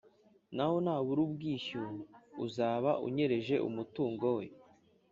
Naho nubura ubwishyu uzaba unyereje umutungo we,